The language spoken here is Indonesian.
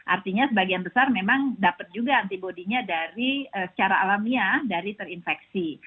artinya sebagian besar memang dapat juga antibody nya dari secara alamiah dari terinfeksi